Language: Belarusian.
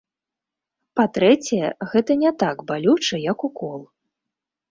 Па-трэцяе, гэта не так балюча, як укол.